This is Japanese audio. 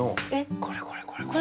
これこれこれこれ。